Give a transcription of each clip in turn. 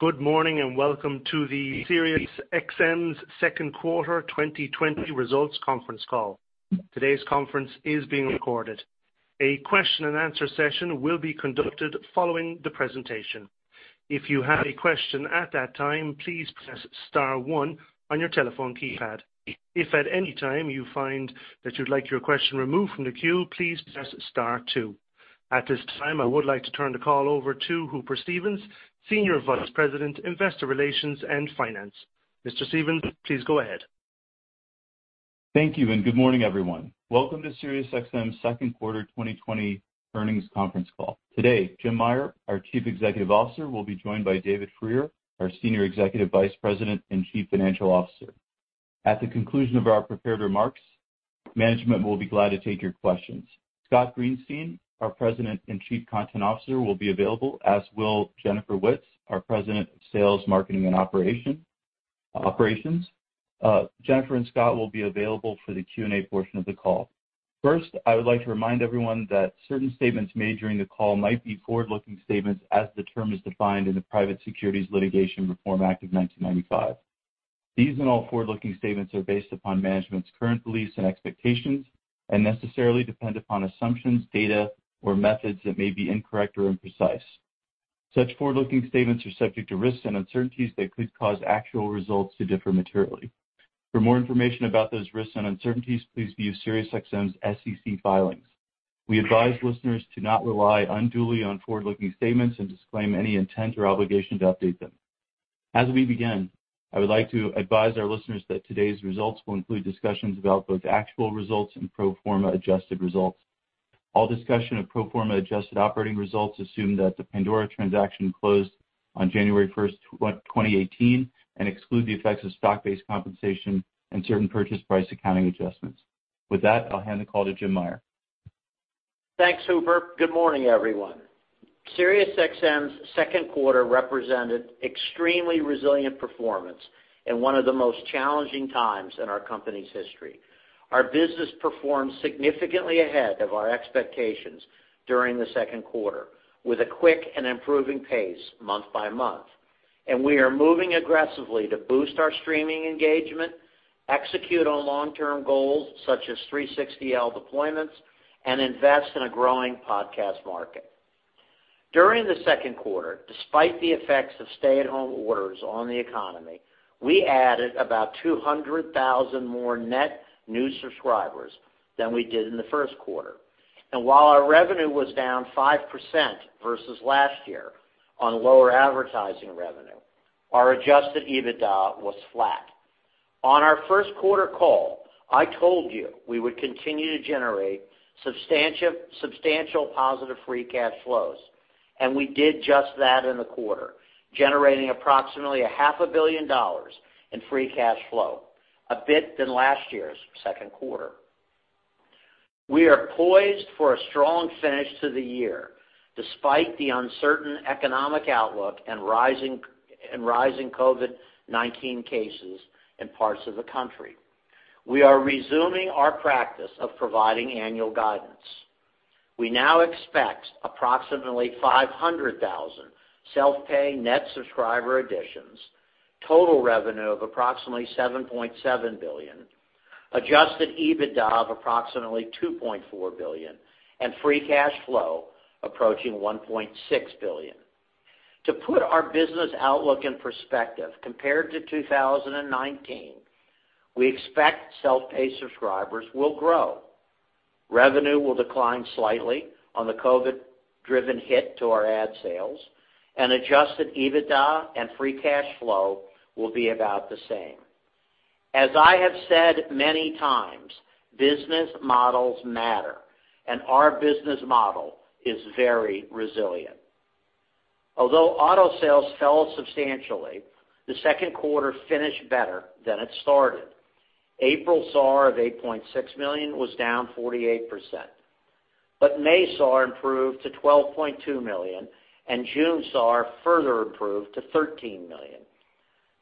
Good morning, and welcome to the SiriusXM's second quarter 2020 results conference call. Today's conference is being recorded. A question and answer session will be conducted following the presentation. If you have a question at that time, please press star one on your telephone keypad. If at any time you find that you'd like your question removed from the queue, please press star two. At this time, I would like to turn the call over to Hooper Stevens, Senior Vice President, Investor Relations and Finance. Mr. Stevens, please go ahead. Thank you. Good morning, everyone. Welcome to SiriusXM's second quarter 2020 earnings conference call. Today, Jim Meyer, our Chief Executive Officer, will be joined by David Frear, our Senior Executive Vice President and Chief Financial Officer. At the conclusion of our prepared remarks, management will be glad to take your questions. Scott Greenstein, our President and Chief Content Officer, will be available as will Jennifer Witz, our President of Sales, Marketing, and Operations. Jennifer and Scott will be available for the Q&A portion of the call. I would like to remind everyone that certain statements made during the call might be forward-looking statements as the term is defined in the Private Securities Litigation Reform Act of 1995. These and all forward-looking statements are based upon management's current beliefs and expectations and necessarily depend upon assumptions, data, or methods that may be incorrect or imprecise. Such forward-looking statements are subject to risks and uncertainties that could cause actual results to differ materially. For more information about those risks and uncertainties, please view SiriusXM's SEC filings. We advise listeners to not rely unduly on forward-looking statements and disclaim any intent or obligation to update them. As we begin, I would like to advise our listeners that today's results will include discussions about both actual results and pro forma adjusted results. All discussion of pro forma adjusted operating results assume that the Pandora transaction closed on January 1st, 2018 and exclude the effects of stock-based compensation and certain purchase price accounting adjustments. With that, I'll hand the call to Jim Meyer. Thanks, Hooper. Good morning, everyone. SiriusXM's second quarter represented extremely resilient performance in one of the most challenging times in our company's history. Our business performed significantly ahead of our expectations during the second quarter with a quick and improving pace month by month. We are moving aggressively to boost our streaming engagement, execute on long-term goals such as 360L deployments, and invest in a growing podcast market. During the second quarter, despite the effects of stay-at-home orders on the economy, we added about 200,000 more net new subscribers than we did in the first quarter. While our revenue was down 5% versus last year on lower advertising revenue, our adjusted EBITDA was flat. On our first quarter call, I told you we would continue to generate substantial positive free cash flows, and we did just that in the quarter, generating approximately $0.5 billion in free cash flow, a bit better than last year's second quarter. We are poised for a strong finish to the year, despite the uncertain economic outlook and rising COVID-19 cases in parts of the country. We are resuming our practice of providing annual guidance. We now expect approximately 500,000 self-pay net subscriber additions, total revenue of approximately $7.7 billion, adjusted EBITDA of approximately $2.4 billion, and free cash flow approaching $1.6 billion. To put our business outlook in perspective, compared to 2019, we expect self-pay subscribers will grow. Revenue will decline slightly on the COVID-driven hit to our ad sales, and adjusted EBITDA and free cash flow will be about the same. As I have said many times, business models matter, and our business model is very resilient. Although auto sales fell substantially, the second quarter finished better than it started. April SAAR of 8.6 million was down 48%, but May SAAR improved to 12.2 million, and June SAAR further improved to 13 million.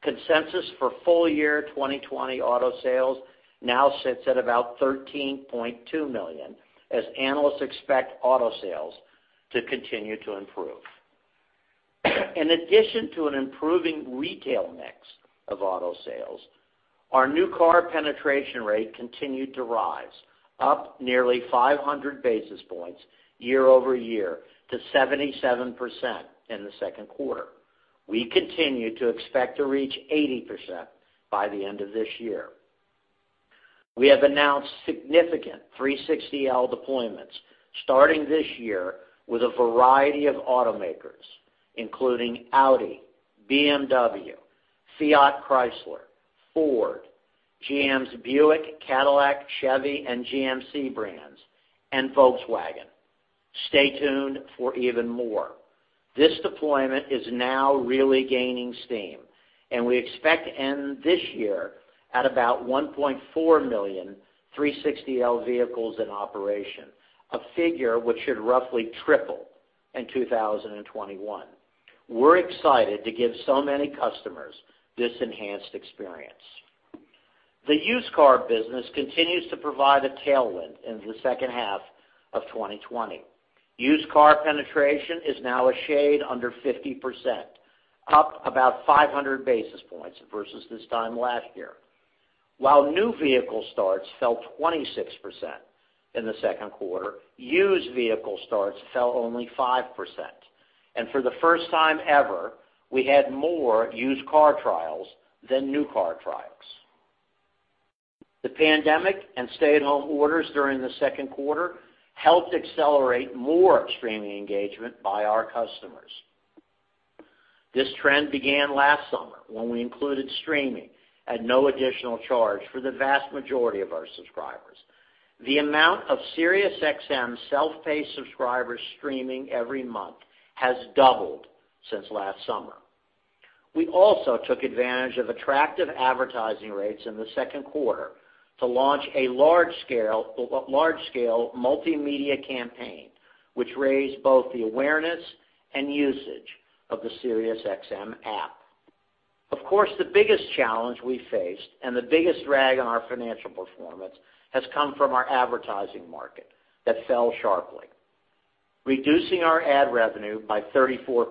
Consensus for full year 2020 auto sales now sits at about 13.2 million, as analysts expect auto sales to continue to improve. In addition to an improving retail mix of auto sales, our new car penetration rate continued to rise, up nearly 500 basis points year-over-year to 77% in the second quarter. We continue to expect to reach 80% by the end of this year. We have announced significant 360L deployments starting this year with a variety of automakers including Audi, BMW, Fiat Chrysler, Ford, GM's Buick, Cadillac, Chevy, and GMC brands, and Volkswagen. Stay tuned for even more. This deployment is now really gaining steam, and we expect to end this year at about 1.4 million 360L vehicles in operation, a figure which should roughly triple in 2021. We're excited to give so many customers this enhanced experience. The used car business continues to provide a tailwind into the second half of 2020. Used car penetration is now a shade under 50%, up about 500 basis points versus this time last year. While new vehicle starts fell 26% in the second quarter, used vehicle starts fell only 5%. For the first time ever, we had more used car trials than new car trials. The pandemic and stay-at-home orders during the second quarter helped accelerate more streaming engagement by our customers. This trend began last summer when we included streaming at no additional charge for the vast majority of our subscribers. The amount of SiriusXM self-pay subscribers streaming every month has doubled since last summer. We also took advantage of attractive advertising rates in the second quarter to launch a large-scale multimedia campaign, which raised both the awareness and usage of the SiriusXM app. Of course, the biggest challenge we faced and the biggest drag on our financial performance has come from our advertising market that fell sharply, reducing our ad revenue by 34%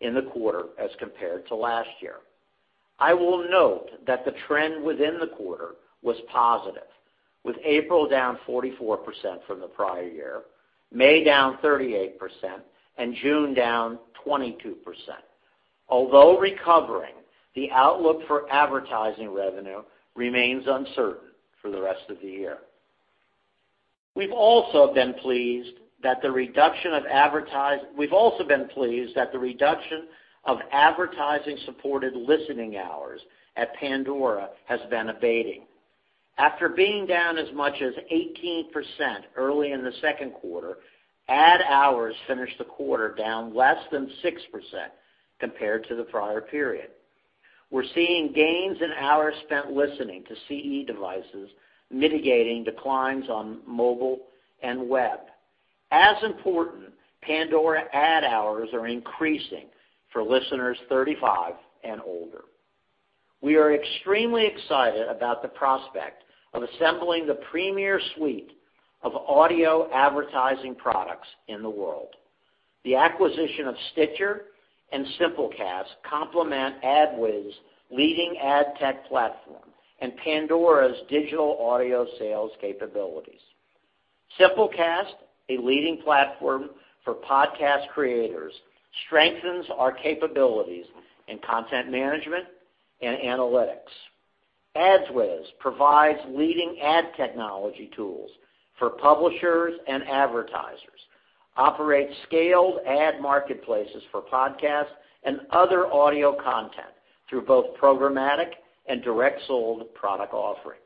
in the quarter as compared to last year. I will note that the trend within the quarter was positive, with April down 44% from the prior year, May down 38%, and June down 22%. Although recovering, the outlook for advertising revenue remains uncertain for the rest of the year. We've also been pleased that the reduction of advertising-supported listening hours at Pandora has been abating. After being down as much as 18% early in the second quarter, ad hours finished the quarter down less than 6% compared to the prior period. We're seeing gains in hours spent listening to CE devices mitigating declines on mobile and web. As important, Pandora ad hours are increasing for listeners 35 years and older. We are extremely excited about the prospect of assembling the premier suite of audio advertising products in the world. The acquisition of Stitcher and Simplecast complement AdsWizz leading ad tech platform and Pandora's digital audio sales capabilities. Simplecast, a leading platform for podcast creators, strengthens our capabilities in content management and analytics. AdsWizz provides leading ad technology tools for publishers and advertisers, operates scaled ad marketplaces for podcasts and other audio content through both programmatic and direct sold product offerings.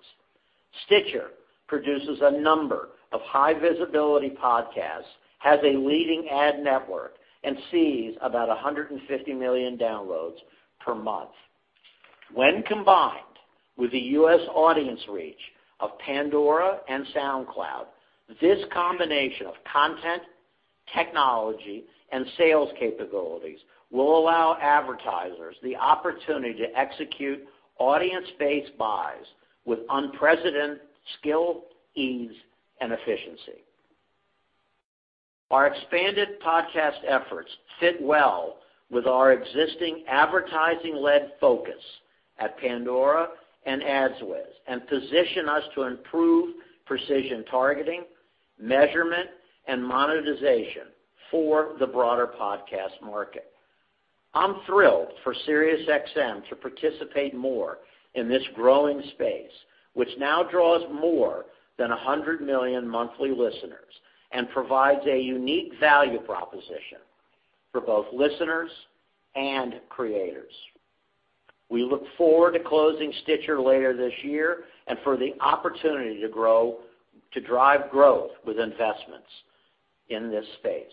Stitcher produces a number of high-visibility podcasts, has a leading ad network, and sees about 150 million downloads per month. When combined with the U.S. audience reach of Pandora and SoundCloud, this combination of content, technology, and sales capabilities will allow advertisers the opportunity to execute audience-based buys with unprecedented skill, ease, and efficiency. Our expanded podcast efforts fit well with our existing advertising-led focus at Pandora and AdsWizz and position us to improve precision targeting, measurement, and monetization for the broader podcast market. I'm thrilled for SiriusXM to participate more in this growing space, which now draws more than 100 million monthly listeners and provides a unique value proposition for both listeners and creators. We look forward to closing Stitcher later this year and for the opportunity to drive growth with investments in this space.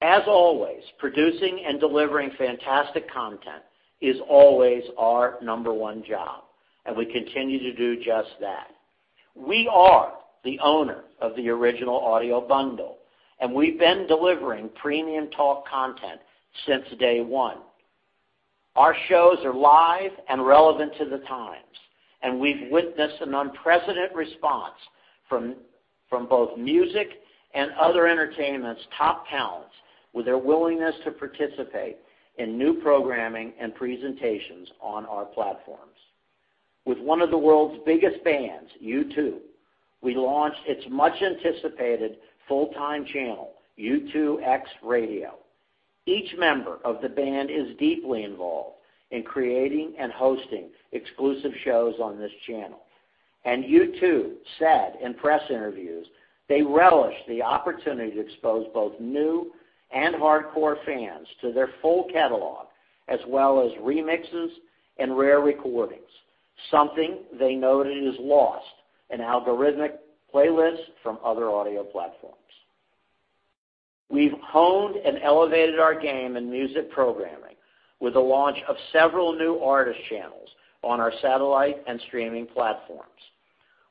As always, producing and delivering fantastic content is always our number one job. We continue to do just that. We are the owner of the original audio bundle. We've been delivering premium talk content since day one. Our shows are live and relevant to the times. We've witnessed an unprecedented response from both music and other entertainment's top talents with their willingness to participate in new programming and presentations on our platforms. With one of the world's biggest bands, U2, we launched its much-anticipated full-time channel, U2 X-Radio. Each member of the band is deeply involved in creating and hosting exclusive shows on this channel. U2 said in press interviews, they relish the opportunity to expose both new and hardcore fans to their full catalog, as well as remixes and rare recordings, something they noted is lost in algorithmic playlists from other audio platforms. We've honed and elevated our game in music programming with the launch of several new artist channels on our satellite and streaming platforms.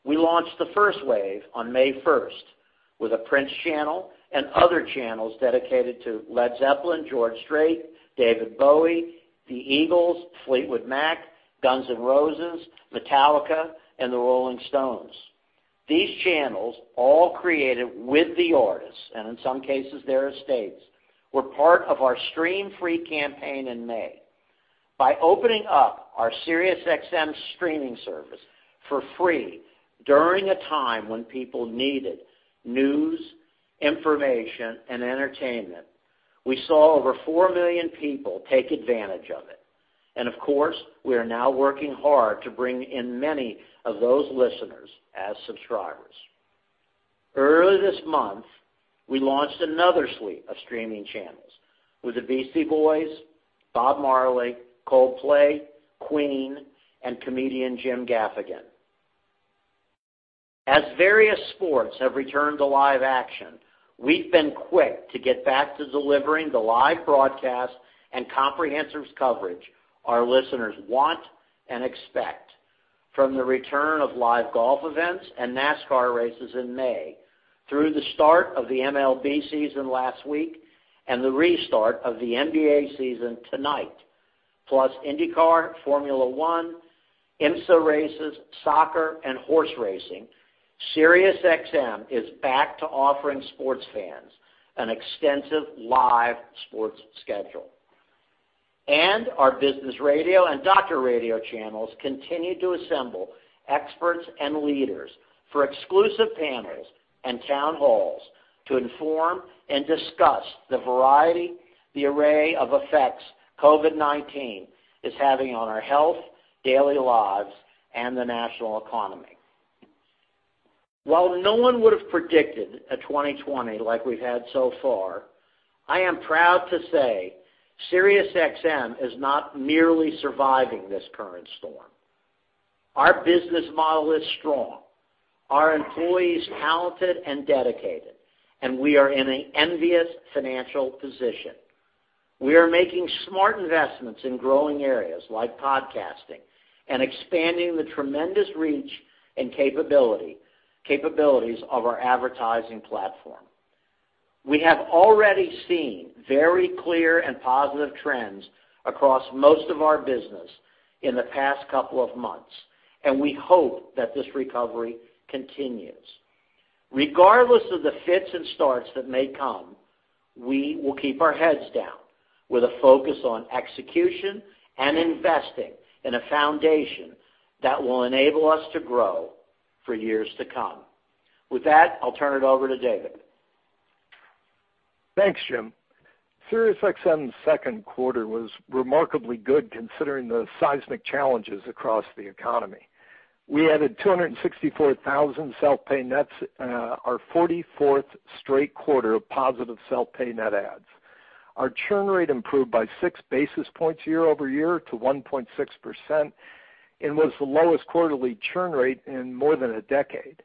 We launched the first wave on May 1st with a Prince channel and other channels dedicated to Led Zeppelin, George Strait, David Bowie, The Eagles, Fleetwood Mac, Guns N' Roses, Metallica, and The Rolling Stones. These channels, all created with the artists, and in some cases, their estates, were part of our Stream Free campaign in May. By opening up our SiriusXM streaming service for free during a time when people needed news, information, and entertainment, we saw over four million people take advantage of it. Of course, we are now working hard to bring in many of those listeners as subscribers. Earlier this month, we launched another suite of streaming channels with the Beastie Boys, Bob Marley, Coldplay, Queen, and comedian Jim Gaffigan. As various sports have returned to live action, we've been quick to get back to delivering the live broadcasts and comprehensive coverage our listeners want and expect. From the return of live golf events and NASCAR races in May, through the start of the MLB season last week, and the restart of the NBA season tonight. INDYCAR, Formula 1, IMSA races, soccer, and horse racing. SiriusXM is back to offering sports fans an extensive live sports schedule. Our Business Radio and Doctor Radio channels continue to assemble experts and leaders for exclusive panels and town halls to inform and discuss the variety, the array of effects COVID-19 is having on our health, daily lives, and the national economy. While no one would've predicted a 2020 like we've had so far, I am proud to say SiriusXM is not merely surviving this current storm. Our business model is strong, our employees talented and dedicated, and we are in an envious financial position. We are making smart investments in growing areas like podcasting and expanding the tremendous reach and capabilities of our advertising platform. We have already seen very clear and positive trends across most of our business in the past couple of months, and we hope that this recovery continues. Regardless of the fits and starts that may come, we will keep our heads down with a focus on execution and investing in a foundation that will enable us to grow for years to come. With that, I'll turn it over to David. Thanks, Jim. SiriusXM's second quarter was remarkably good considering the seismic challenges across the economy. We added 264,000 self-pay nets, our 44th straight quarter of positive self-pay net adds. Our churn rate improved by six basis points year-over-year to 1.6% and was the lowest quarterly churn rate in more than a decade.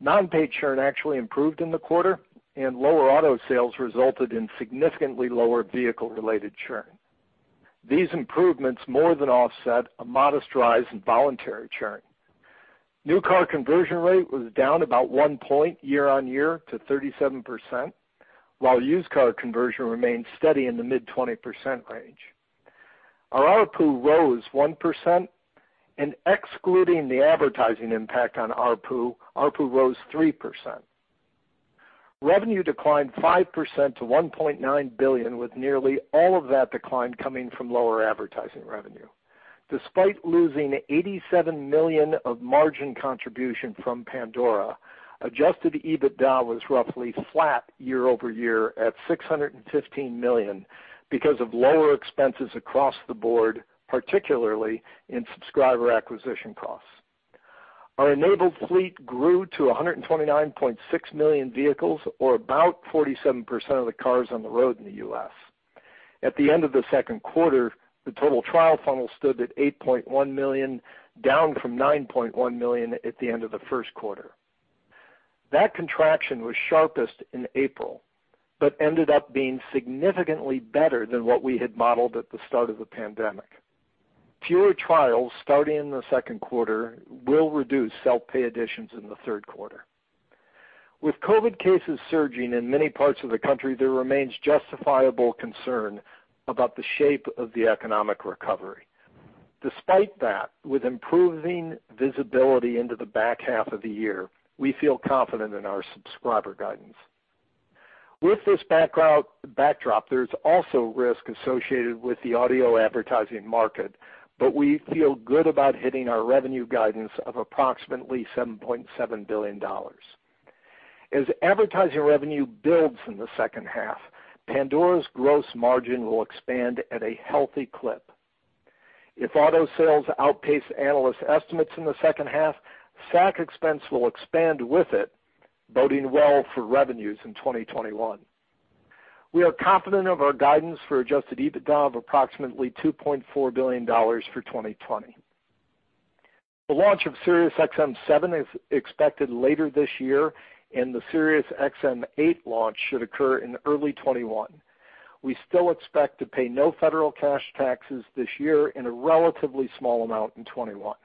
Non-pay churn actually improved in the quarter, and lower auto sales resulted in significantly lower vehicle-related churn. These improvements more than offset a modest rise in voluntary churn. New car conversion rate was down about one point year-on-year to 37%, while used car conversion remained steady in the mid-20% range. Our ARPU rose 1%, and excluding the advertising impact on ARPU rose 3%. Revenue declined 5% to $1.9 billion, with nearly all of that decline coming from lower advertising revenue. Despite losing $87 million of margin contribution from Pandora, adjusted EBITDA was roughly flat year-over-year at $615 million because of lower expenses across the board, particularly in subscriber acquisition costs. Our enabled fleet grew to 129.6 million vehicles, or about 47% of the cars on the road in the U.S. At the end of the second quarter, the total trial funnel stood at 8.1 million, down from 9.1 million at the end of the first quarter. That contraction was sharpest in April, but ended up being significantly better than what we had modeled at the start of the pandemic. Fewer trials starting in the second quarter will reduce self-pay additions in the third quarter. With COVID cases surging in many parts of the country, there remains justifiable concern about the shape of the economic recovery. Despite that, with improving visibility into the back half of the year, we feel confident in our subscriber guidance. With this backdrop, there's also risk associated with the audio advertising market, but we feel good about hitting our revenue guidance of approximately $7.7 billion. As advertising revenue builds in the second half, Pandora's gross margin will expand at a healthy clip. If auto sales outpace analyst estimates in the second half, SAC expense will expand with it, boding well for revenues in 2021. We are confident of our guidance for adjusted EBITDA of approximately $2.4 billion for 2020. The launch of SiriusXM-7 is expected later this year, and the SiriusXM-8 launch should occur in early 2021. We still expect to pay no federal cash taxes this year in a relatively small amount in 2021.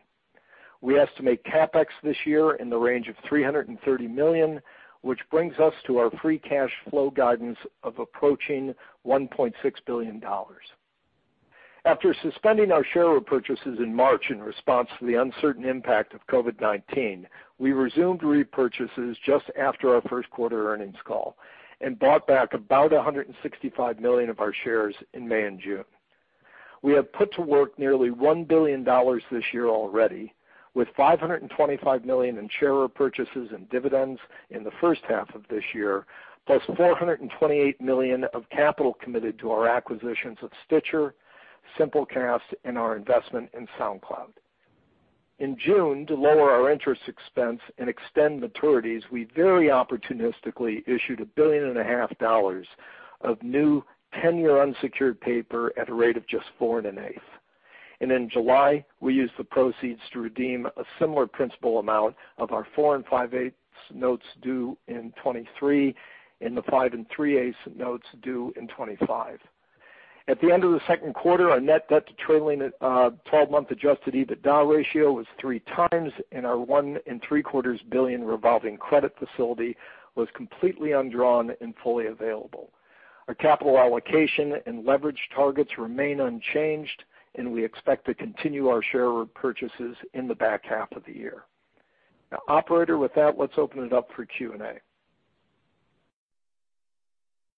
We estimate CapEx this year in the range of $330 million, which brings us to our free cash flow guidance of approaching $1.6 billion. After suspending our share repurchases in March in response to the uncertain impact of COVID-19, we resumed repurchases just after our first quarter earnings call and bought back about $165 million of our shares in May and June. We have put to work nearly $1 billion this year already, with $525 million in share repurchases and dividends in the first half of this year, plus $428 million of capital committed to our acquisitions of Stitcher, Simplecast, and our investment in SoundCloud. In June, to lower our interest expense and extend maturities, we very opportunistically issued $1.5 billion of new 10-year unsecured paper at a rate of just 4.125%. In July, we used the proceeds to redeem a similar principal amount of our four and five-eighths notes due in 2023 and the five and three-eighths notes due in 2025. At the end of the second quarter, our net debt to 12-month adjusted EBITDA ratio was 3x, and our $1.75 billion revolving credit facility was completely undrawn and fully available. Our capital allocation and leverage targets remain unchanged, and we expect to continue our share repurchases in the back half of the year. Operator, with that, let's open it up for Q&A.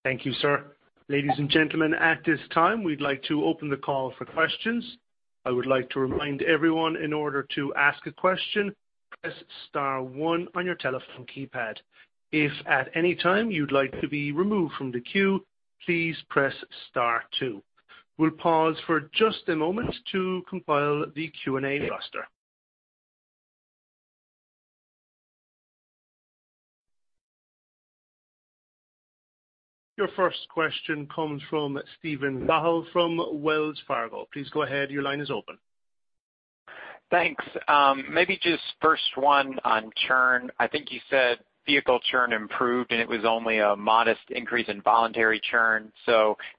Thank you, sir. Ladies and gentlemen, at this time, we'd like to open the call for questions. I would like to remind everyone, in order to ask a question, press star one on your telephone keypad. If at any time you'd like to be removed from the queue, please press star two. We'll pause for just a moment to compile the Q&A roster. Your first question comes from Steven Cahall from Wells Fargo. Please go ahead. Your line is open. Thanks. Maybe just first one on churn. I think you said vehicle churn improved, and it was only a modest increase in voluntary churn.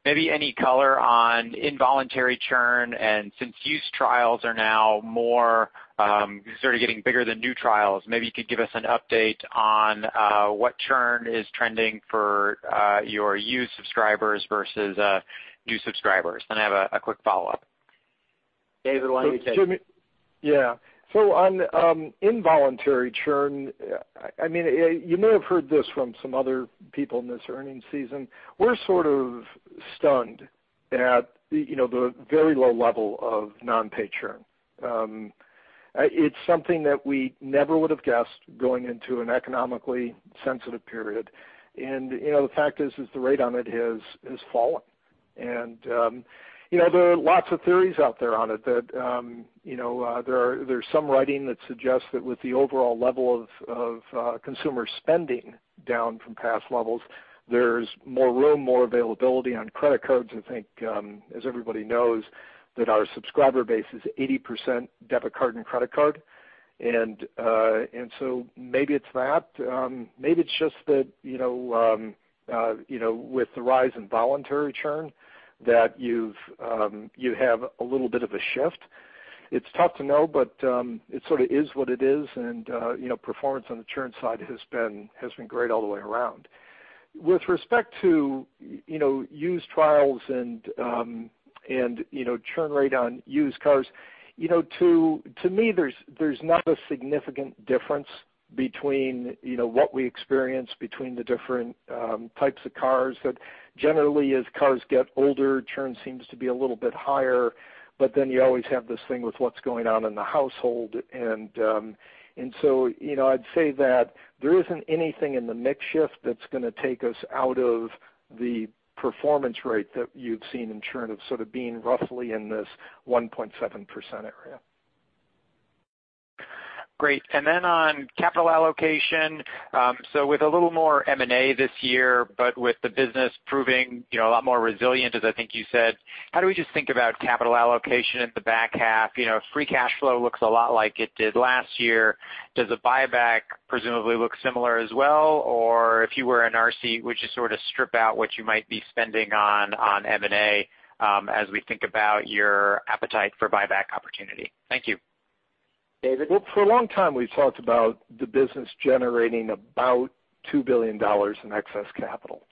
Maybe any color on involuntary churn, and since used trials are now more getting bigger than new trials, maybe you could give us an update on what churn is trending for your used subscribers versus new subscribers. I have a quick follow-up. David, why don't you take it? Yeah. On involuntary churn, you may have heard this from some other people in this earnings season. We're sort of stunned at the very low level of non-pay churn. It's something that we never would have guessed going into an economically sensitive period. The fact is the rate on it has fallen. There are lots of theories out there on it that there's some writing that suggests that with the overall level of consumer spending down from past levels, there's more room, more availability on credit cards. I think, as everybody knows, that our subscriber base is 80% debit card and credit card. Maybe it's that. Maybe it's just that with the rise in voluntary churn that you have a little bit of a shift. It's tough to know, it sort of is what it is. Performance on the churn side has been great all the way around. With respect to used trials and churn rate on used cars, to me, there's not a significant difference between what we experience between the different types of cars. Generally, as cars get older, churn seems to be a little bit higher, but then you always have this thing with what's going on in the household. I'd say that there isn't anything in the mix shift that's going to take us out of the performance rate that you've seen in churn of sort of being roughly in this 1.7% area. Great. Then on capital allocation, with a little more M&A this year, with the business proving a lot more resilient, as I think you said, how do we just think about capital allocation in the back half? Free cash flow looks a lot like it did last year. Does a buyback presumably look similar as well? If you were in our seat, would you sort of strip out what you might be spending on M&A as we think about your appetite for buyback opportunity? Thank you. David? Well, for a long time, we've talked about the business generating about $2 billion in excess capital,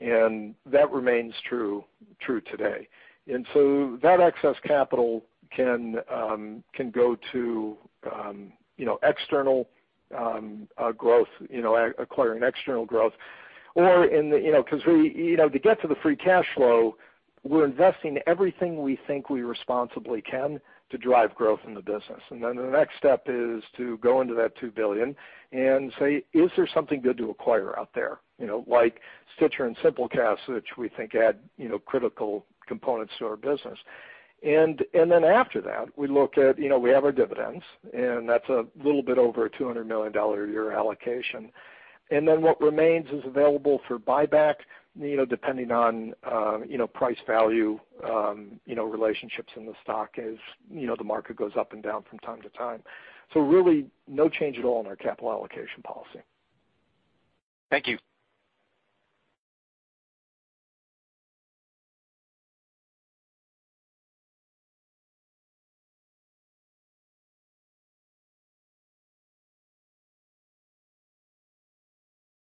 and that remains true today. That excess capital can go to acquiring external growth because to get to the free cash flow, we're investing everything we think we responsibly can to drive growth in the business. The next step is to go into that $2 billion and say, is there something good to acquire out there? Like Stitcher and Simplecast, which we think add critical components to our business. After that, we look at, we have our dividends, and that's a little bit over a $200 million a year allocation. What remains is available for buyback, depending on price value relationships in the stock as the market goes up and down from time to time. Really no change at all in our capital allocation policy. Thank you.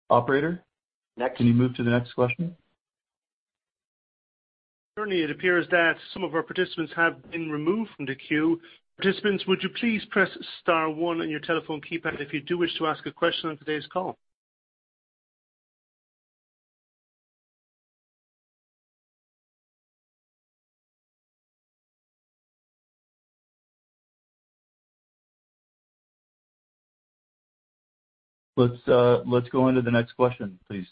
Operator? Next. Can you move to the next question? Certainly, it appears that some of our participants have been removed from the queue. Participants, would you please press star one on your telephone keypad if you do wish to ask a question on today's call. Let's go on to the next question, please.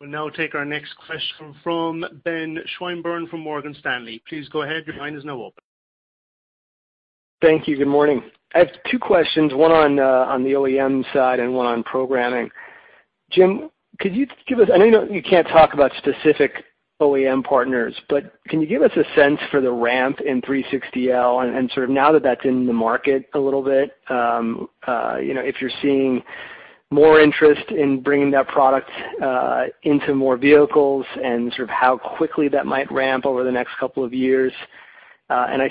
We'll now take our next question from Ben Swinburne from Morgan Stanley. Please go ahead. Your line is now open. Thank you. Good morning. I have two questions, one on the OEM side and one on programming. Jim, could you give us, I know you can't talk about specific OEM partners, but can you give us a sense for the ramp in 360L and sort of now that that's in the market a little bit, if you're seeing more interest in bringing that product into more vehicles and sort of how quickly that might ramp over the next couple of years? I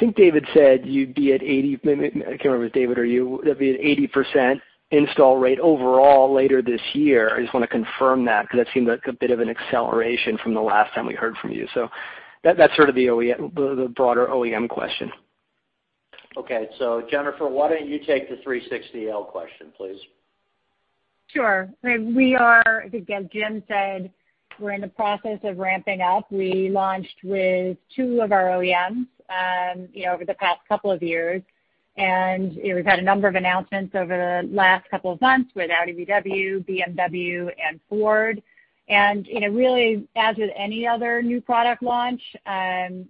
think David said you'd be at 80%, I can't remember if it was David or you, that'd be at 80% install rate overall later this year. I just want to confirm that because that seemed like a bit of an acceleration from the last time we heard from you. That's sort of the broader OEM question. Okay. Jennifer, why don't you take the 360L question, please? Sure. As Jim said, we're in the process of ramping up. We launched with two of our OEMs over the past couple of years, and we've had a number of announcements over the last couple of months with Audi VW, BMW, and Ford. Really as with any other new product launch,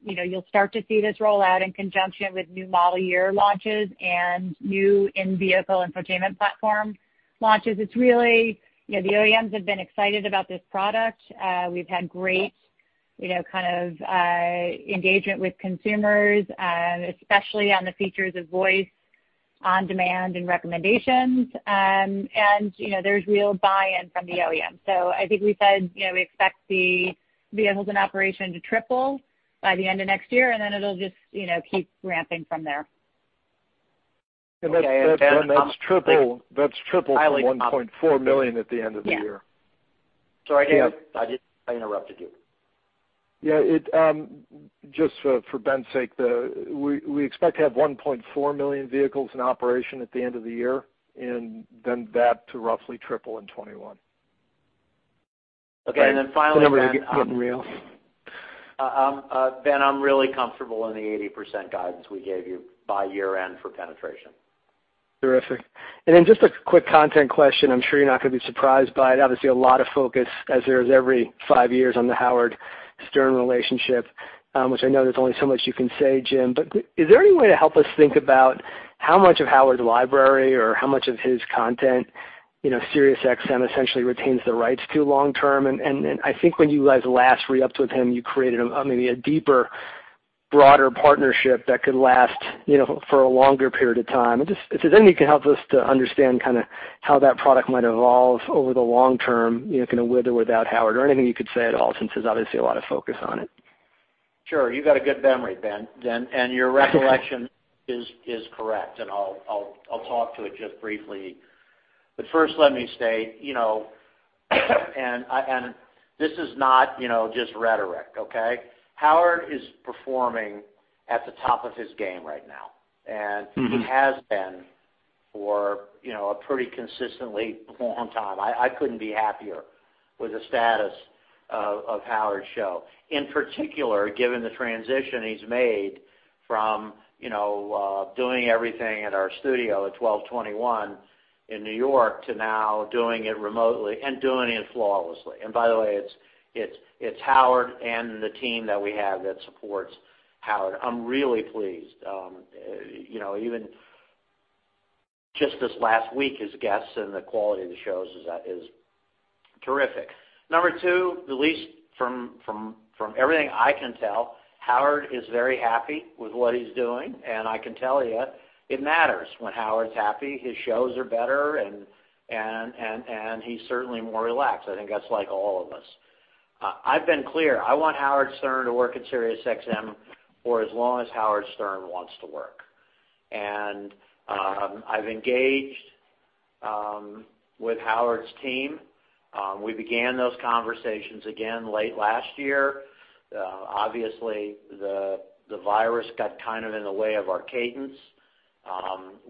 you'll start to see this roll out in conjunction with new model year launches and new in-vehicle infotainment platform launches. The OEMs have been excited about this product. We've had great kind of engagement with consumers, especially on the features of voice on-demand and recommendations. There's real buy-in from the OEM. I think we said we expect the vehicles in operation to triple by the end of next year, and then it'll just keep ramping from there. Okay. Ben, That's triple to 1.4 million vehicles at the end of the year. Yeah. Sorry, David, I interrupted you. Yeah. Just for Ben's sake, we expect to have 1.4 million vehicles in operation at the end of the year, and then that to roughly triple in 2021. Okay. Finally, Ben. The numbers are getting real. Ben, I'm really comfortable in the 80% guidance we gave you by year-end for penetration. Terrific. Just a quick content question. I'm sure you're not going to be surprised by it. Obviously, a lot of focus as there is every five years on the Howard Stern relationship, which I know there's only so much you can say, Jim. Is there any way to help us think about how much of Howard's library or how much of his content SiriusXM essentially retains the rights to long-term? I think when you guys last re-upped with him, you created maybe a deeper, broader partnership that could last for a longer period of time. If there's anything you can help us to understand kind of how that product might evolve over the long term with or without Howard or anything you could say at all since there's obviously a lot of focus on it. Sure. You got a good memory, Ben, and your recollection is correct, and I'll talk to it just briefly. First let me state, and this is not just rhetoric, okay? Howard is performing at the top of his game right now, and he has been for a pretty consistently long time. I couldn't be happier with the status of Howard's show. In particular, given the transition he's made from doing everything at our studio at 1221 in New York to now doing it remotely and doing it flawlessly. By the way, it's Howard and the team that we have that supports Howard. I'm really pleased. Even just this last week, his guests and the quality of the shows is terrific. Number two, at least from everything I can tell, Howard is very happy with what he's doing, and I can tell you it matters when Howard's happy. His shows are better, and he's certainly more relaxed. I think that's like all of us. I've been clear. I want Howard Stern to work at SiriusXM for as long as Howard Stern wants to work. I've engaged with Howard's team. We began those conversations again late last year. Obviously, the virus got kind of in the way of our cadence.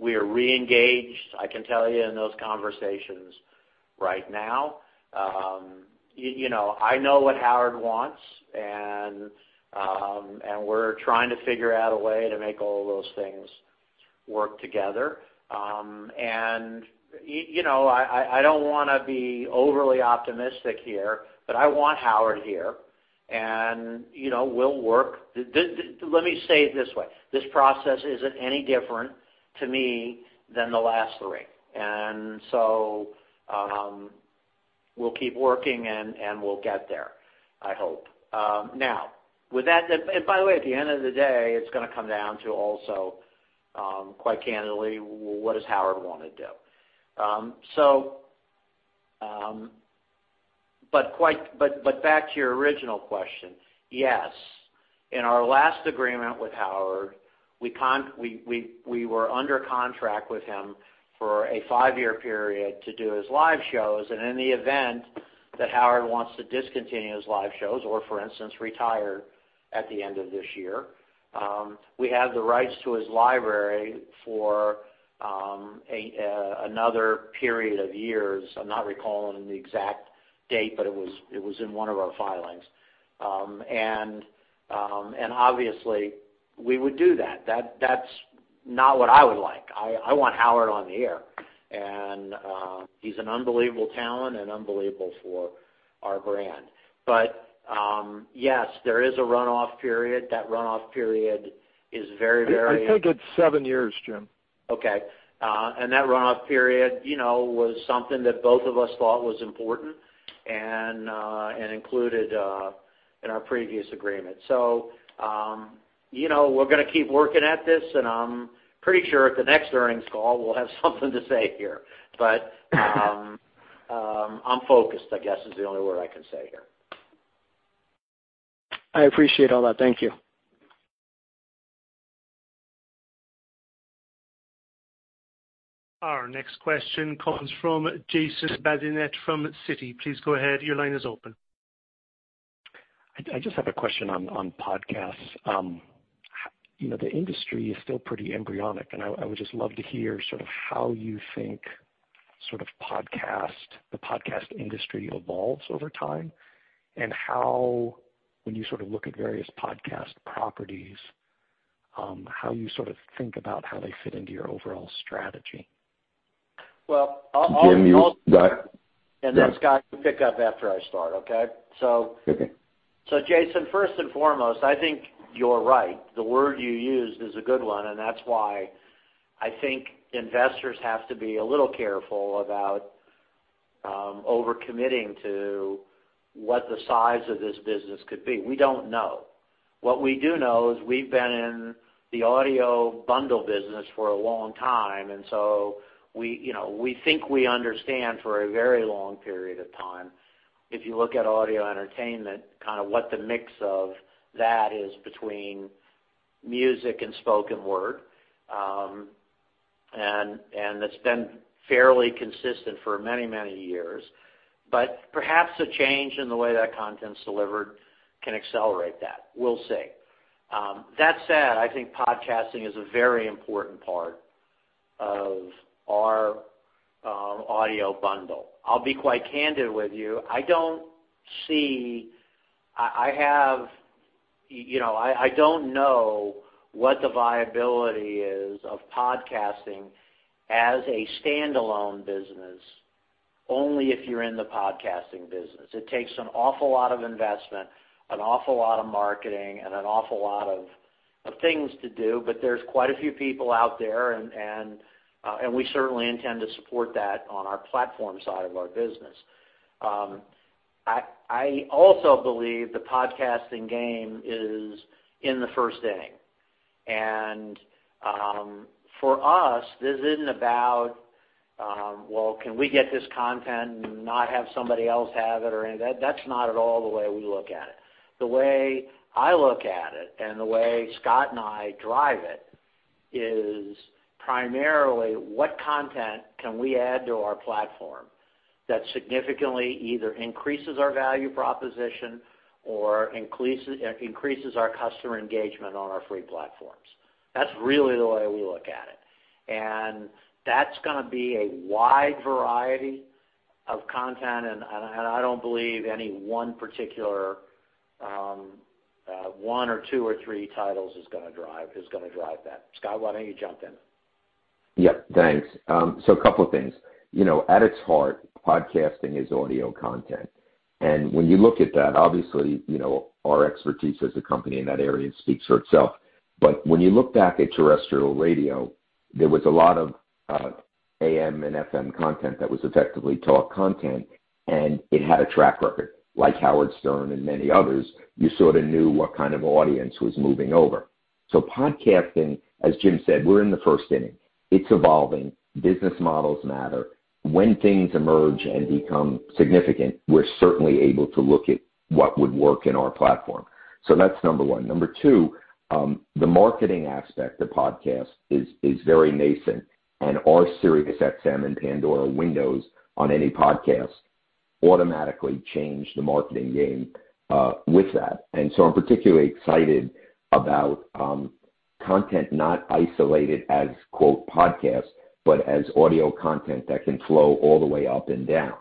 We are re-engaged, I can tell you, in those conversations right now. I know what Howard wants, and we're trying to figure out a way to make all of those things work together. I don't want to be overly optimistic here, but I want Howard here, and we'll work. Let me say it this way. This process isn't any different to me than the last three. We'll keep working, and we'll get there, I hope. At the end of the day, it's going to come down to also, quite candidly, what does Howard want to do? Back to your original question. Yes, in our last agreement with Howard, we were under contract with him for a five-year period to do his live shows. In the event that Howard wants to discontinue his live shows, or for instance, retire at the end of this year, we have the rights to his library for another period of years. I'm not recalling the exact date, it was in one of our filings. Obviously, we would do that. That's not what I would like. I want Howard on the air. He's an unbelievable talent and unbelievable for our brand. Yes, there is a runoff period. That runoff period is very- I think it's seven years, Jim. Okay. That runoff period was something that both of us thought was important and included in our previous agreement. We're going to keep working at this, and I'm pretty sure at the next earnings call, we'll have something to say here. I'm focused, I guess, is the only word I can say here. I appreciate all that. Thank you. Our next question comes from Jason Bazinet from Citi. Please go ahead. Your line is open. I just have a question on podcasts. The industry is still pretty embryonic, and I would just love to hear how you think the podcast industry evolves over time, and how, when you look at various podcast properties, how you think about how they fit into your overall strategy? Well. Jim, go ahead. Scott, you pick up after I start, okay? Okay. Jason, first and foremost, I think you're right. The word you used is a good one, and that's why I think investors have to be a little careful about over-committing to what the size of this business could be. We don't know. What we do know is we've been in the audio bundle business for a long time, and so we think we understand for a very long period of time, if you look at audio entertainment, kind of what the mix of that is between music and spoken word. It's been fairly consistent for many years. Perhaps a change in the way that content's delivered can accelerate that. We'll see. That said, I think podcasting is a very important part of our audio bundle. I'll be quite candid with you. I don't know what the viability is of podcasting as a standalone business, only if you're in the podcasting business. It takes an awful lot of investment, an awful lot of marketing, and an awful lot of things to do, but there's quite a few people out there, and we certainly intend to support that on our platform side of our business. I also believe the podcasting game is in the first inning. For us, this isn't about, well, can we get this content and not have somebody else have it or anything? That's not at all the way we look at it. The way I look at it, and the way Scott and I drive it is primarily what content can we add to our platform that significantly either increases our value proposition or increases our customer engagement on our free platforms. That's really the way we look at it. That's going to be a wide variety of content, and I don't believe any one particular one or two or three titles is going to drive that. Scott, why don't you jump in? Yep. Thanks. A couple of things. At its heart, podcasting is audio content. When you look at that, obviously, our expertise as a company in that area speaks for itself. When you look back at terrestrial radio, there was a lot of AM and FM content that was effectively talk content, and it had a track record. Like Howard Stern and many others, you sort of knew what kind of audience was moving over. Podcasting, as Jim said, we're in the first inning. It's evolving. Business models matter. When things emerge and become significant, we're certainly able to look at what would work in our platform. That's number one. Number two, the marketing aspect of podcasts is very nascent, and our SiriusXM and Pandora windows on any podcast automatically change the marketing game with that. I'm particularly excited about content not isolated as podcast, but as audio content that can flow all the way up and down.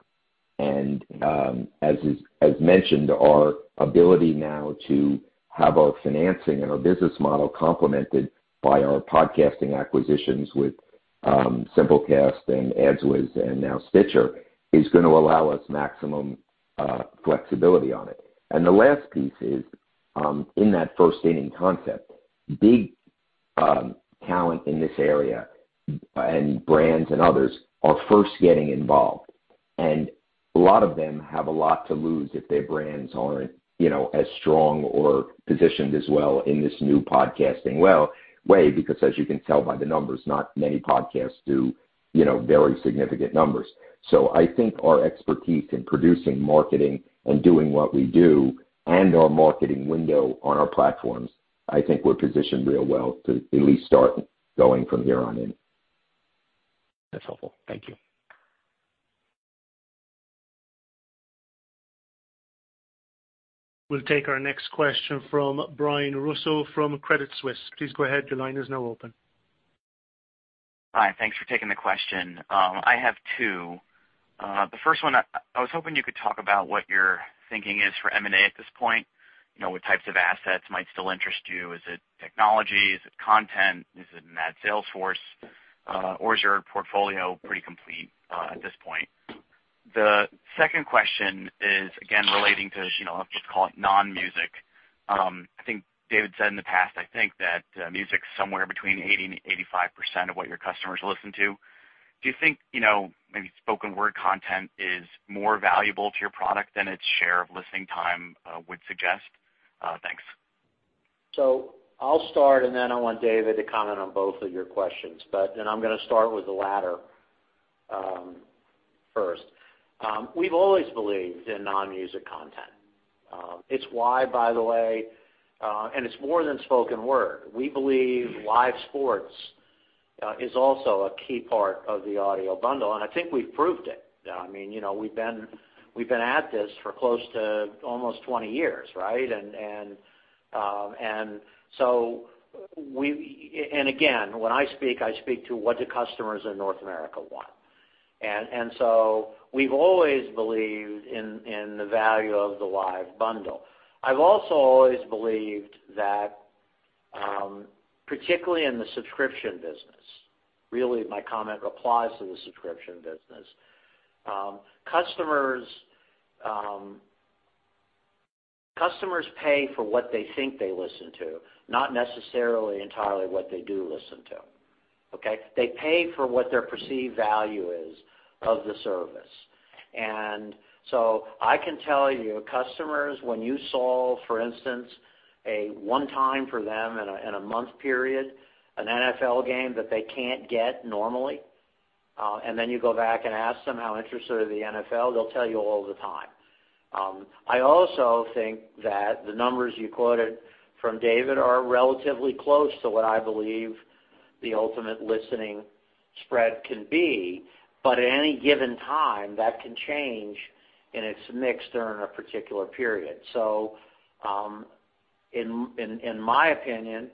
As mentioned, our ability now to have our financing and our business model complemented by our podcasting acquisitions with Simplecast and AdsWizz, and now Stitcher, is going to allow us maximum flexibility on it. The last piece is, in that first inning concept, big talent in this area and brands and others are first getting involved. A lot of them have a lot to lose if their brands aren't as strong or positioned as well in this new podcasting way because as you can tell by the numbers, not many podcasts do very significant numbers. I think our expertise in producing, marketing and doing what we do and our marketing window on our platforms, I think we're positioned real well to at least start going from here on in. That's helpful. Thank you. We'll take our next question from Brian Russo from Credit Suisse. Please go ahead. Your line is now open. Hi, thanks for taking the question. I have two. The first one, I was hoping you could talk about what your thinking is for M&A at this point. What types of assets might still interest you? Is it technology? Is it content? Is it an ad sales force? Is your portfolio pretty complete at this point? The second question is, again, relating to, let's just call it non-music. I think David said in the past, I think that music's somewhere between 80%-85% of what your customers listen to. Do you think maybe spoken word content is more valuable to your product than its share of listening time would suggest? Thanks. I'll start and then I want David to comment on both of your questions. I'm going to start with the latter first. We've always believed in non-music content. It's why, by the way, and it's more than spoken word. We believe live sports is also a key part of the audio bundle, and I think we've proved it. We've been at this for close to almost 20 years, right? Again, when I speak, I speak to what the customers in North America want. We've always believed in the value of the live bundle. I've also always believed that, particularly in the subscription business, really my comment applies to the subscription business. Customers pay for what they think they listen to, not necessarily entirely what they do listen to. Okay. They pay for what their perceived value is of the service. I can tell you, customers, when you solve, for instance, a one time for them in a month period, an NFL game that they can't get normally, then you go back and ask them how interested are they in the NFL, they'll tell you all the time. I also think that the numbers you quoted from David are relatively close to what I believe the ultimate listening spread can be. At any given time, that can change in its mix during a particular period. In my opinion,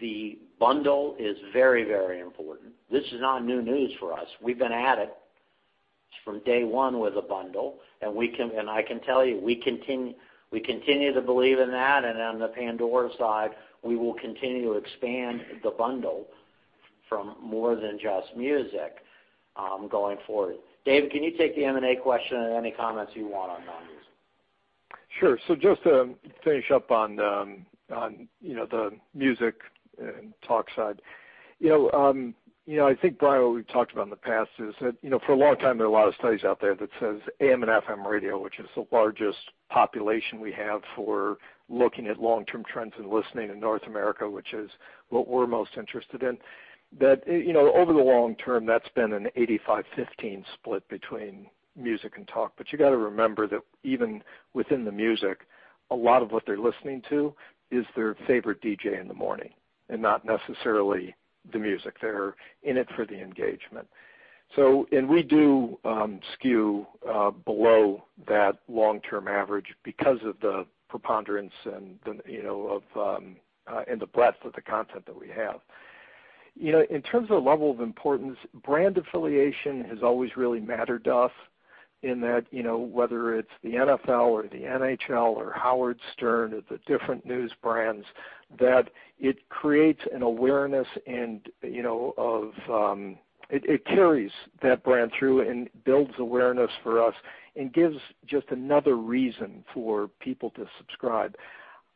the bundle is very important. This is not new news for us. We've been at it from day one with a bundle, I can tell you, we continue to believe in that. On the Pandora side, we will continue to expand the bundle from more than just music going forward. David, can you take the M&A question and any comments you want on non-music? Sure. Just to finish up on the music and talk side. I think, Brian, what we've talked about in the past is that for a long time, there are a lot of studies out there that says AM and FM radio, which is the largest population we have for looking at long-term trends in listening in North America, which is what we're most interested in. That over the long term, that's been an 85-15 split between music and talk. You got to remember that even within the music, a lot of what they're listening to is their favorite DJ in the morning and not necessarily the music. They're in it for the engagement. We do skew below that long-term average because of the preponderance and the breadth of the content that we have. In terms of level of importance, brand affiliation has always really mattered to us in that whether it's the NFL or the NHL or Howard Stern or the different news brands, that it creates an awareness and it carries that brand through and builds awareness for us and gives just another reason for people to subscribe.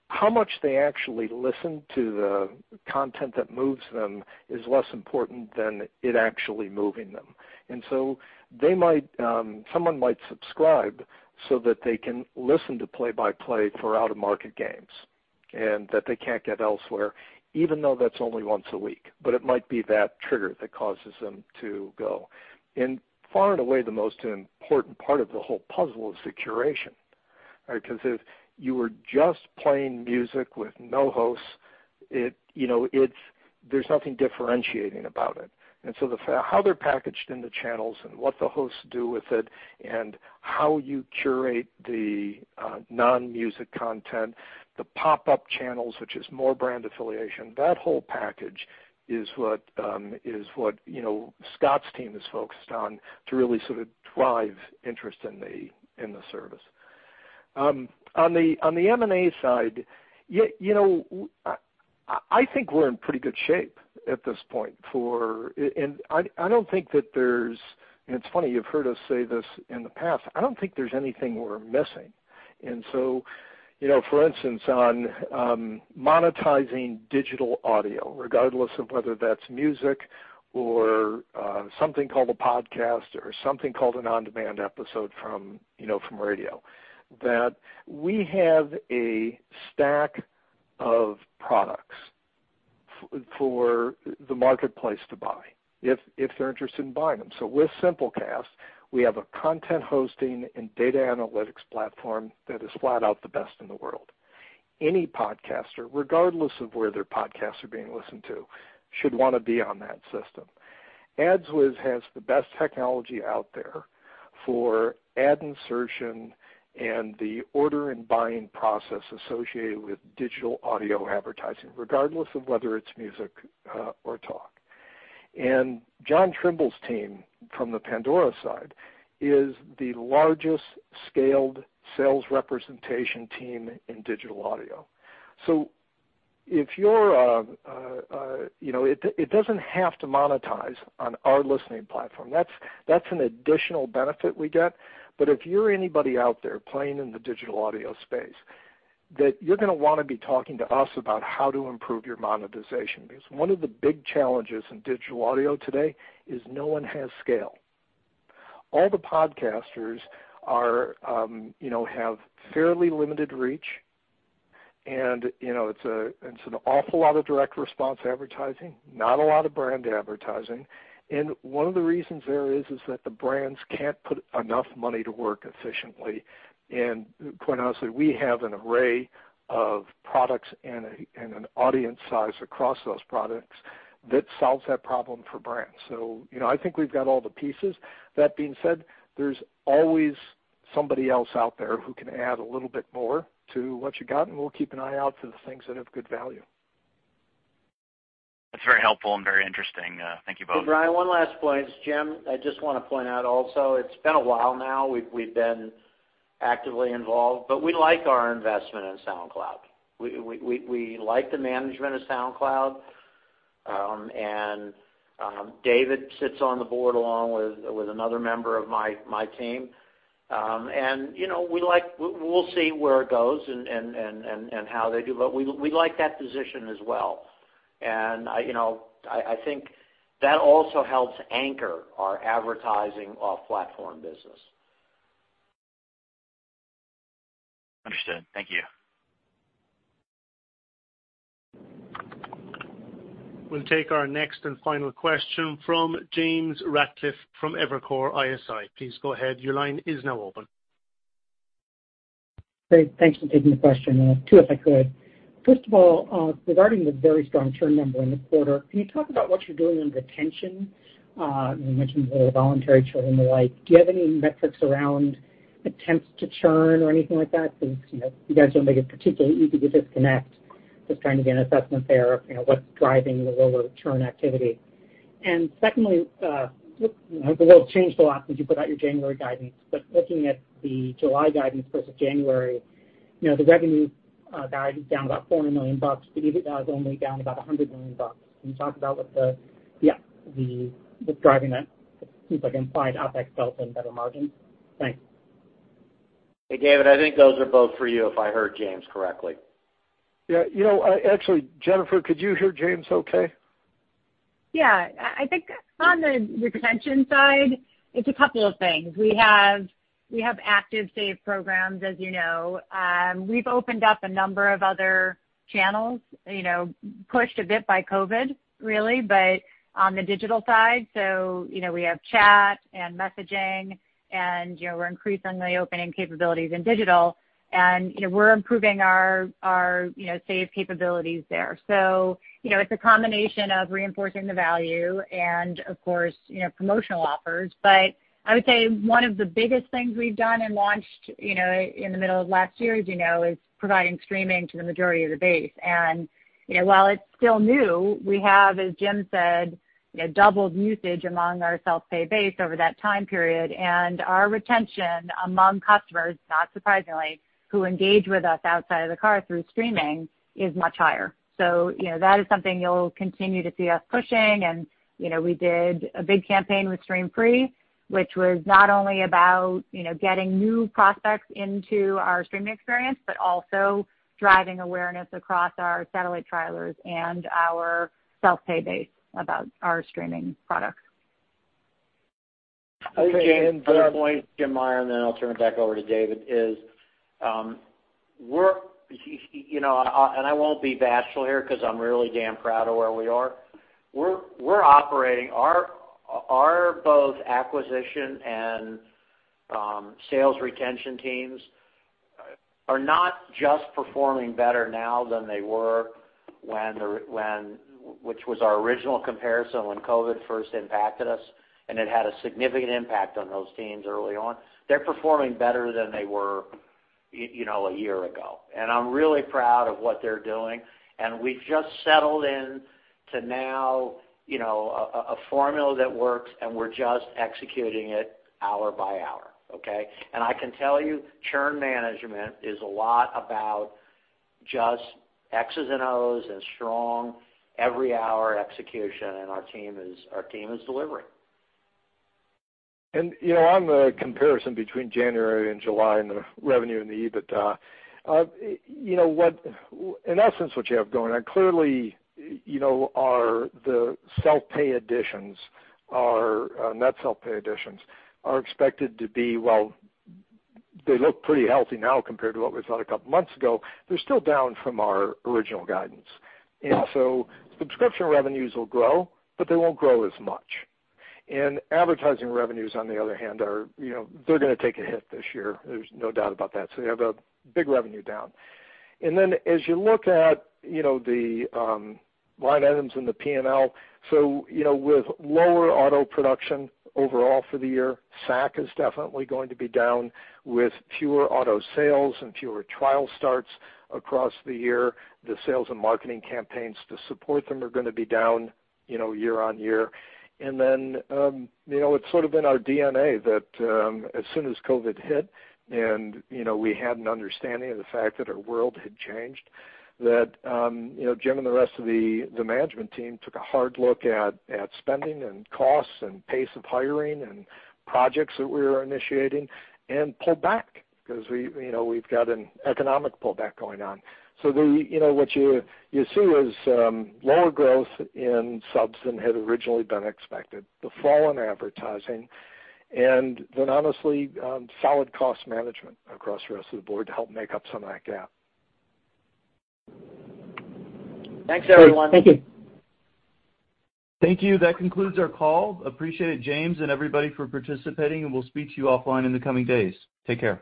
How much they actually listen to the content that moves them is less important than it actually moving them. Someone might subscribe so that they can listen to play-by-play for out-of-market games and that they can't get elsewhere, even though that's only once a week. It might be that trigger that causes them to go. Far and away, the most important part of the whole puzzle is the curation. If you were just playing music with no host, there's nothing differentiating about it. How they're packaged in the channels and what the hosts do with it and how you curate the non-music content, the pop-up channels, which is more brand affiliation, that whole package is what Scott's team is focused on to really sort of drive interest in the service. On the M&A side, I think we're in pretty good shape at this point. I don't think that there's and it's funny, you've heard us say this in the past. I don't think there's anything we're missing For instance, on monetizing digital audio, regardless of whether that's music or something called a podcast or something called an on-demand episode from radio, that we have a stack of products for the marketplace to buy if they're interested in buying them. With Simplecast, we have a content hosting and data analytics platform that is flat out the best in the world. Any podcaster, regardless of where their podcasts are being listened to, should want to be on that system. AdsWizz has the best technology out there for ad insertion and the order and buying process associated with digital audio advertising, regardless of whether it's music or talk. John Trimble's team, from the Pandora side, is the largest scaled sales representation team in digital audio. It doesn't have to monetize on our listening platform. That's an additional benefit we get. If you're anybody out there playing in the digital audio space, that you're going to want to be talking to us about how to improve your monetization. One of the big challenges in digital audio today is no one has scale. All the podcasters have fairly limited reach, and it's an awful lot of direct response advertising, not a lot of brand advertising. One of the reasons there is that the brands can't put enough money to work efficiently. Quite honestly, we have an array of products and an audience size across those products that solves that problem for brands. I think we've got all the pieces. That being said, there's always somebody else out there who can add a little bit more to what you got, and we'll keep an eye out for the things that have good value. That's very helpful and very interesting. Thank you both. Brian, one last point. Jim, I just want to point out also, it's been a while now, we've been actively involved, but we like our investment in SoundCloud. We like the management of SoundCloud. David sits on the board along with another member of my team. We'll see where it goes and how they do. We like that position as well. I think that also helps anchor our advertising off-platform business. Understood. Thank you. We'll take our next and final question from James Ratcliffe from Evercore ISI. Please go ahead. Your line is now open. Great. Thanks for taking the question. Two, if I could. First of all, regarding the very strong churn number in the quarter, can you talk about what you're doing on retention? You mentioned the voluntary churn and the like. Do you have any metrics around attempts to churn or anything like that? Because you guys don't make it particularly easy to disconnect. Just trying to get an assessment there of what's driving the lower churn activity. Secondly, the world's changed a lot since you put out your January guidance. Looking at the July guidance versus January, the revenue guide is down about $400 million, but even now is only down about $100 million. Can you talk about what's driving that? It seems like implied OpEx fell and better margins. Thanks. Hey, David, I think those are both for you, if I heard James correctly. Yeah. Actually, Jennifer, could you hear James okay? Yeah. I think on the retention side, it's a couple of things. We have active save programs, as you know. We've opened up a number of other channels pushed a bit by COVID, really, but on the digital side. We have chat and messaging, and we're increasingly opening capabilities in digital, and we're improving our save capabilities there. It's a combination of reinforcing the value and, of course, promotional offers. I would say one of the biggest things we've done and launched in the middle of last year, as you know, is providing streaming to the majority of the base. While it's still new, we have, as Jim said, doubled usage among our self-pay base over that time period. Our retention among customers, not surprisingly, who engage with us outside of the car through streaming, is much higher. That is something you'll continue to see us pushing, and we did a big campaign with Stream Free, which was not only about getting new prospects into our streaming experience, but also driving awareness across our satellite trialers and our self-pay base about our streaming products. I think, James, good point. Jim Meyer, and then I'll turn it back over to David is and I won't be bashful here because I'm really damn proud of where we are. Our both acquisition and sales retention teams are not just performing better now than they were, which was our original comparison when COVID first impacted us, and it had a significant impact on those teams early on. They're performing better than they were a year ago. I'm really proud of what they're doing. We've just settled in to now a formula that works, and we're just executing it hour by hour. Okay. I can tell you, churn management is a lot about just X's and O's and strong every hour execution, and our team is delivering. On the comparison between January and July and the revenue and the EBITDA. In essence, what you have going on, clearly, the self-pay additions, our net self-pay additions are expected to be, well, they look pretty healthy now compared to what we thought a couple of months ago. They're still down from our original guidance. Yeah. Subscription revenues will grow, but they won't grow as much. Advertising revenues, on the other hand, they're going to take a hit this year. There's no doubt about that. You have a big revenue down. Then as you look at the line items in the P&L, with lower auto production overall for the year, SAC is definitely going to be down with fewer auto sales and fewer trial starts across the year. The sales and marketing campaigns to support them are going to be down year-over-year. It's sort of in our DNA that as soon as COVID hit and we had an understanding of the fact that our world had changed, that Jim and the rest of the management team took a hard look at spending and costs and pace of hiring and projects that we were initiating and pulled back because we've got an economic pullback going on. What you see is lower growth in subs than had originally been expected, the fall in advertising, and then honestly, solid cost management across the rest of the board to help make up some of that gap. Thanks, everyone. Thank you. Thank you. That concludes our call. Appreciate it, James and everybody, for participating, and we'll speak to you offline in the coming days. Take care.